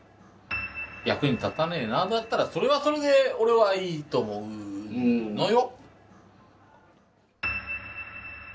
役に立たねえなだったらそれはそれで俺はいいと思うのよ。